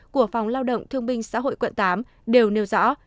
của phòng lao động thương binh xã hội quận tám đều nêu rõ